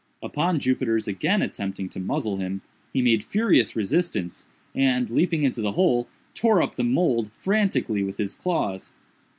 Upon Jupiter's again attempting to muzzle him, he made furious resistance, and, leaping into the hole, tore up the mould frantically with his claws.